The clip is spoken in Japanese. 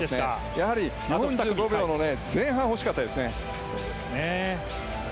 やはり４５秒の前半は欲しかったですね。